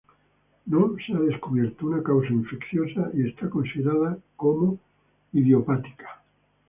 No se ha descubierto una causa infecciosa y es considerada como idiopática.